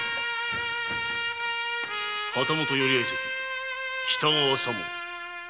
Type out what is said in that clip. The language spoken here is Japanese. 旗本寄合席・喜多川左門。